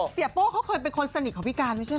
เสียโป้เขาเคยเป็นคนสนิกของพี่การไม่ใช่เหรอ